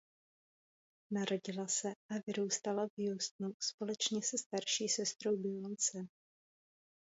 Narodila se a vyrůstala v Houstonu společně se starší sestrou Beyoncé.